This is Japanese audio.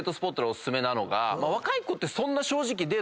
若い子ってそんなデート